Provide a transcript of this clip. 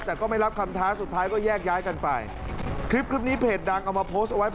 แต่ไม่รับคำท้าสุดท้ายก็แยกย้ายไป